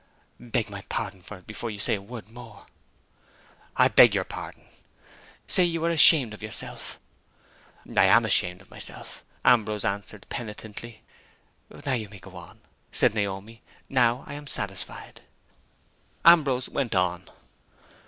"Beg my pardon for it before you say a word more." "I beg your pardon." "Say you are ashamed of yourself." "I am ashamed of myself," Ambrose answered penitently. "Now you may go on," said Naomi. "Now I'm satisfied." Ambrose went on.